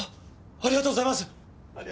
ありがとうございます！